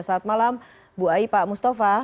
saat malam bu ayi pak mustafa